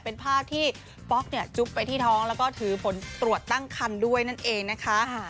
เป็นภาพที่ป๊อกเนี่ยจุ๊บไปที่ท้องแล้วก็ถือผลตรวจตั้งคันด้วยนั่นเองนะคะ